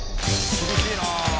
厳しいなぁ。